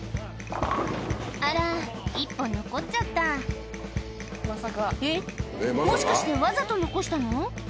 あら１本残っちゃったえっもしかしてわざと残したの？